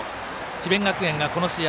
智弁学園がこの試合